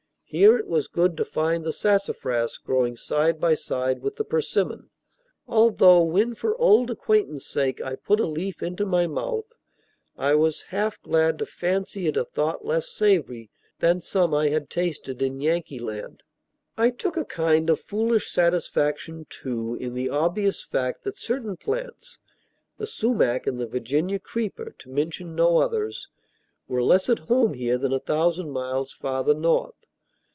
Here it was good to find the sassafras growing side by side with the persimmon, although when, for old acquaintance' sake, I put a leaf into my mouth I was half glad to fancy it a thought less savory than some I had tasted in Yankeeland. I took a kind of foolish satisfaction, too, in the obvious fact that certain plants the sumach and the Virginia creeper, to mention no others were less at home here than a thousand miles farther north.